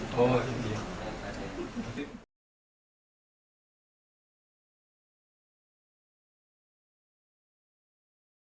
dan juga di wilayah